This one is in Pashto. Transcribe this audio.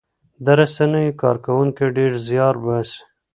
د رسنیو کارکوونکي ډېر زیار باسي.